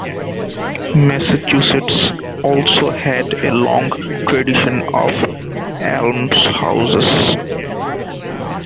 Massachusetts also had a long tradition of almshouses.